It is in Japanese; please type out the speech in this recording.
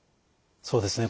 そうですね